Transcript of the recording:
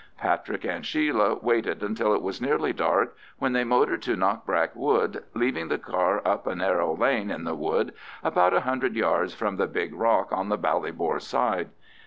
Patrick and Sheila waited until it was nearly dark, when they motored to Knockbrack Wood, leaving the car up a narrow lane in the wood, about a hundred yards from the big rock on the Ballybor side.